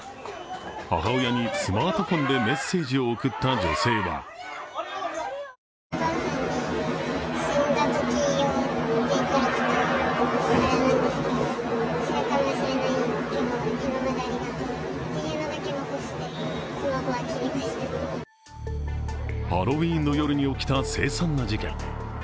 母親にスマートフォンでメッセージを送った女性はハロウィーンの夜に起きた凄惨な事件。